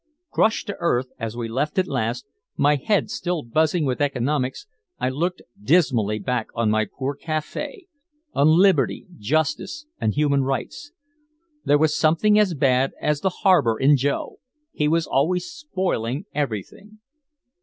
Crushed to earth, as we left at last, my head still buzzing with economics, I looked dismally back on my poor café, on liberty, justice and human rights. There was something as bad as the harbor in Joe; he was always spoiling everything.